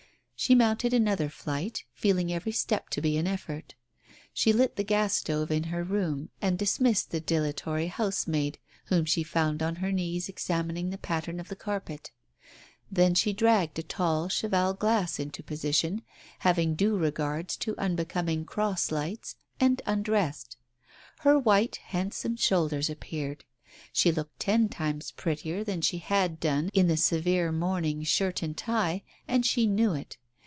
She mounted another flight, feeling every step to be an effort. She lit the gas stove in her room, and dis missed the dilatory housemaid, whom she found on her „ knees examining the pattern of the carpet. Then she dragged a tall cheval glass into position, having due regards to unbecoming cross lights, and undressed. Her white, handsome shoulders appeared; she looked ten times prettier than she had done in the severe morning shirt and tie, and she knew it.